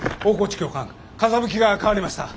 教官風向きが変わりました！